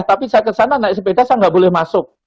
tapi saya kesana naik sepeda saya nggak boleh masuk